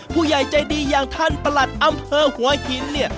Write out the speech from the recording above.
ผู้ใหญ่ใจดีอย่างท่านประหลัดอำเภอหัวหินเนี่ย